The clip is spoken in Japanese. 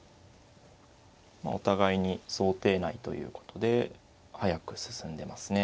お互いに想定内ということで速く進んでますね。